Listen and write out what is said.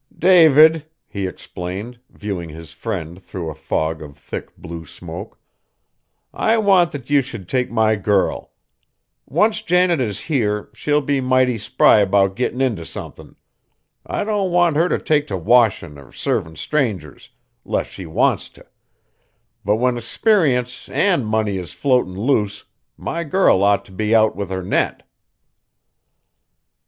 "David," he explained, viewing his friend through a fog of thick, blue smoke, "I want that ye should take my girl! Once Janet is here, she'll be mighty spry 'bout gettin' in t' somethin'. I don't want her t' take t' washin' or servin' strangers, 'less she wants t', but when 'sperience an' money is floatin' loose, my girl ought t' be out with her net."